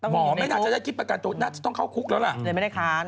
หมอไม่น่าจะได้คิดประกันตัวน่าจะต้องเข้าคุกแล้วล่ะ